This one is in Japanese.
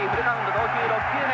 投球６球目。